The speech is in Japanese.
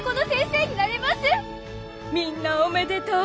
みんなおめでとう。